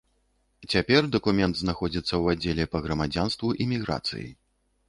Цяпер дакумент знаходзіцца ў аддзеле па грамадзянству і міграцыі.